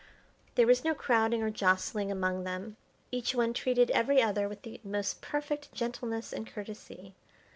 There was no crowding or jostling among them. Each one treated every other with the most perfect gentleness and courtesy.